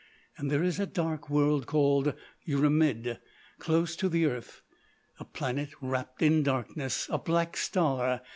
And there is a dark world called Yrimid, close to the earth—a planet wrapped in darkness—a black star....